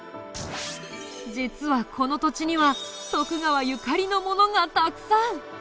実はこの土地には徳川ゆかりのものがたくさん！